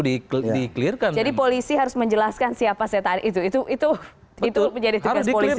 dikelirkan jadi polisi harus menjelaskan siapa setan itu itu itu itu menjadi tegas polisi